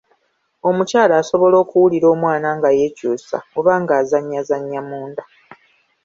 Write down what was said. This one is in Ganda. Omukyala asobola okuwulira omwana nga yeekyusa oba ng'azannyazannya munda